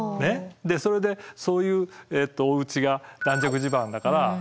それでそういうおうちが軟弱地盤だから壊れる。